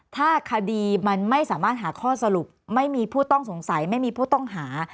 ถ้าคดีมันไม่สามารถหาข้อสรุปไม่มีผู้ต้องสงสัยไม่มีผู้ต้องหา